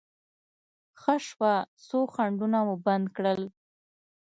ښه شوه، څو خنډونه مو بند کړل.